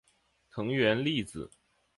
藤原丽子